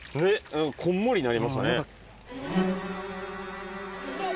こんもりになりましたね。